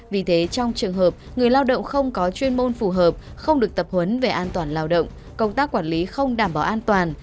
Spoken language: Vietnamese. vì thế trong trường hợp người lao động không có chuyên môn phù hợp không được tập huấn về an toàn lao động công tác quản lý không đảm bảo an toàn